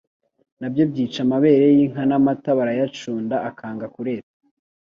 nabyo byica amabere y’inka n’amata barayacunda akanga kureta